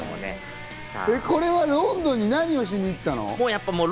これはロンドンに何をしに行ったの？